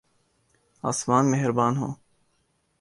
آسمان مہربان ہوں۔